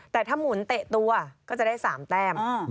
แต่ถ้าหมุนเตะตัวก็จะได้๓แต้ม